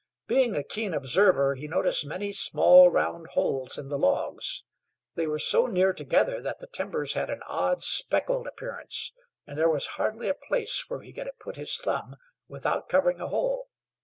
Being a keen observer, he noticed many small, round holes in the logs. They were so near together that the timbers had an odd, speckled appearance, and there was hardly a place where he could have put his thumb without covering a hole.